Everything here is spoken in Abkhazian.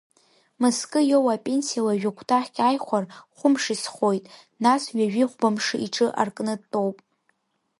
Мызкы иоуа апенсиала жәа-кәтаӷьк ааихәар, хәымш изхоит, нас ҩажәихәба мшы иҿы аркны дтәоуп.